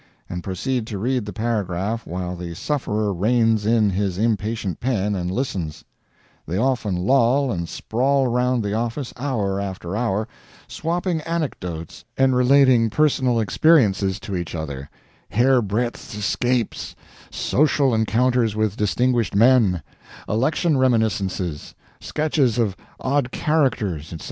and proceed to read the paragraph while the sufferer reins in his impatient pen and listens; they often loll and sprawl round the office hour after hour, swapping anecdotes and relating personal experiences to each other hairbreadth escapes, social encounters with distinguished men, election reminiscences, sketches of odd characters, etc.